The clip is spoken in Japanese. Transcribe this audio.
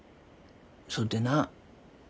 そっでな